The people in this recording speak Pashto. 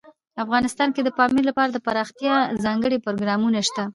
افغانستان کې د پامیر لپاره دپرمختیا ځانګړي پروګرامونه شته.